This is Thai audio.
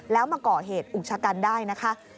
แล้วมาก่อเหตุอุกชะกันได้นะคะ